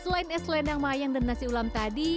selain es lendang mayang dan nasi ulam tadi